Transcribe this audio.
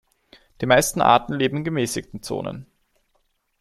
Die meisten Arten leben in gemäßigten Zonen.